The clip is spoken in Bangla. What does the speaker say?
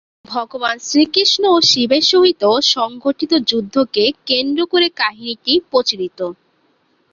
ভগবান শ্রীকৃষ্ণ ও শিবের সহিত সংঘটিত যুদ্ধকে কেন্দ্র করে কাহিনীটি প্রচলিত।